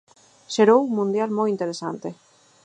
Xerou un mundial moi interesante.